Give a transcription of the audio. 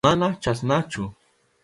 Mana chasnachu.